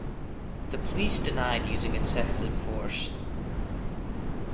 The police denied using excessive force.